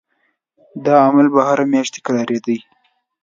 دا عمل به هره میاشت تکرارېدی.